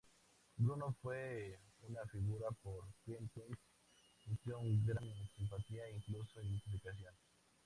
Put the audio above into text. Bruno fue una figura por quien West sintió una gran simpatía e incluso identificación.